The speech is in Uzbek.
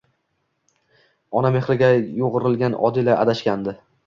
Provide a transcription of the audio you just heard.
ona mehriga yo'g'rilgan Odila adashgandi: